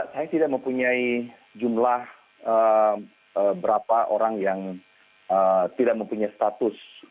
saya tidak mempunyai jumlah berapa orang yang tidak mempunyai status